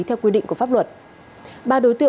theo quy định của pháp luật